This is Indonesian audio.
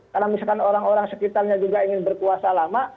karena misalkan orang orang sekitarnya juga ingin berkuasa lama